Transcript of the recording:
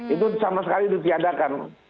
itu sama sekali ditiadakan